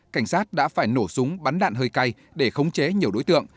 cảnh sát đã phải nổ súng bắn đạn hơi cay để khống chế nhiều đối tượng